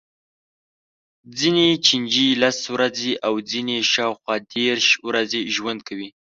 ځینې چینجي لس ورځې او ځینې یې شاوخوا دېرش ورځې ژوند کوي.